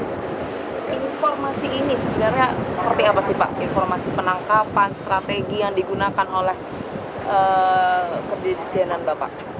informasi ini sebenarnya seperti apa sih pak informasi penangkapan strategi yang digunakan oleh kejenan bapak